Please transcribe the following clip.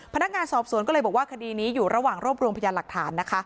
พนักงานสอบสวนก็เลยบอกว่าคดีนี้อยู่ระหว่างรวบรวมพยานหลักฐานนะคะ